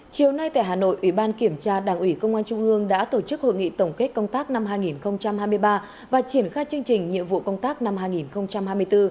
chiều nay tại hà nội ủy ban kiểm tra đảng ủy công an trung ương đã tổ chức hội nghị tổng kết công tác năm hai nghìn hai mươi ba và triển khai chương trình nhiệm vụ công tác năm hai nghìn hai mươi bốn